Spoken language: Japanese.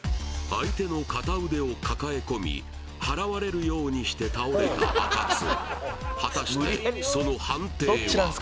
相手の片腕を抱え込みはらわれるようにして倒れたあかつ果たしてその判定は？